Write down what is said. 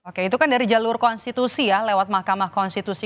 oke itu kan dari jalur konstitusi ya lewat mahkamah konstitusi